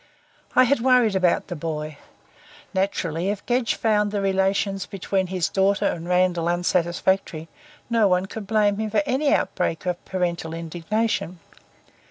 I had worried about the boy. Naturally, if Gedge found the relations between his daughter and Randall unsatisfactory, no one could blame him for any outbreak of parental indignation.